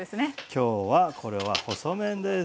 今日はこれは細麺です。